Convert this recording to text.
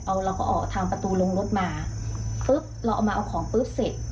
เอาเราก็ออกทางประตูลงรถมาปุ๊บเราเอามาเอาของปุ๊บเสร็จ